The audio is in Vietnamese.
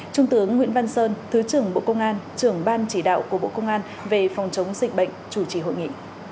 trung tướng nguyễn văn sơn thứ trưởng bộ công an trưởng ban chỉ đạo của bộ công an về phòng chống dịch bệnh chủ trì hội nghị